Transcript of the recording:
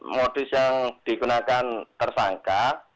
modus yang digunakan tersangka